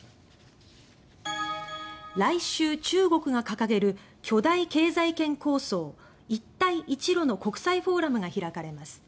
来週、中国が掲げる巨大経済圏構想、一帯一路の国際フォーラムが開かれます。